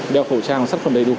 đeo khẩu trang sắt phần đầy đủ